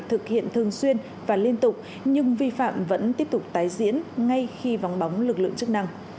thực hiện thường xuyên và liên tục nhưng vi phạm vẫn tiếp tục tái diễn ngay khi vắng bóng lực lượng chức năng